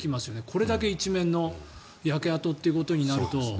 これだけ一面の焼け跡っていうことになると。